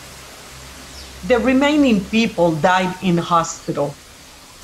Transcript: The remaining people died in hospital.